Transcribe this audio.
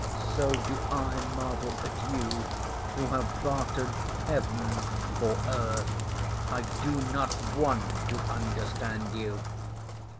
So do I marvel at you, who have bartered heaven for earth. I do not want to understand you.